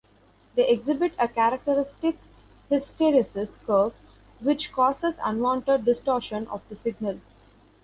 They exhibit a characteristic hysteresis curve, which causes unwanted distortion of the signal.